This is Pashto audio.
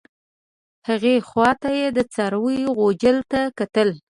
هغې خوا ته یې د څارویو غوجل ته کتل.